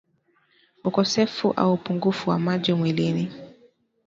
Ukosefu au upungufu wa maji mwilini